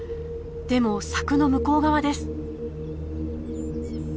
でも柵の向こう側です。